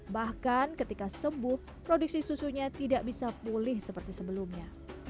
bahkan ketika sembuh produksi susunya tidak bisa pulih seperti sebelumnya